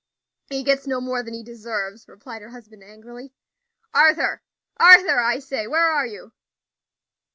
"He gets no more than he deserves," replied her husband angrily. "Arthur! Arthur, I say, where are you?"